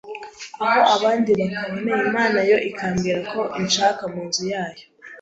aho abandi bakaboneye , Imana yo ikambwirako inshaka munzu yayo